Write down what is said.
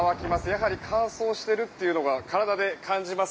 やはり乾燥してるというのが体で感じます。